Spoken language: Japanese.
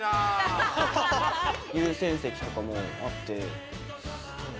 優先席とかもあってすごい。